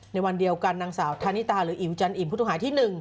ในวันเดียวกันนางสาวธานิตาหรืออิ๋วจันอิ่มผู้ต้องหาที่๑